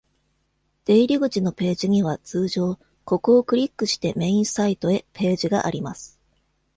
出入り口のページには、通常、「ここをクリックしてメインサイトへ」ページがあります。